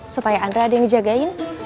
supaya andra ada yang dijagain